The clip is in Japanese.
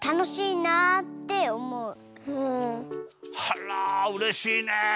あらうれしいね。